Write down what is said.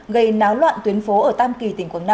gây náo loạn tuyến phố ở tam kỳ